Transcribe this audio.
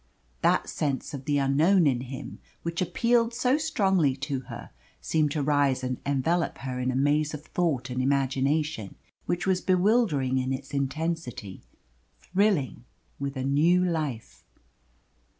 That sense of the unknown in him, which appealed so strongly to her, seemed to rise and envelop her in a maze of thought and imagination which was bewildering in its intensity thrilling with a new life.